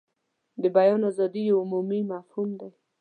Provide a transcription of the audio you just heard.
د بیان ازادي یو عمومي مفهوم دی.